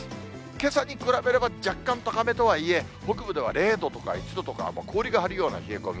けさに比べれば、若干高めとはいえ、北部では０度とか１度とか、氷が張るような冷え込み。